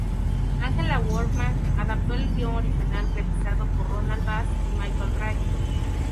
Angela Workman adaptó el guion original, revisado por Ronald Bass y Michael Ray.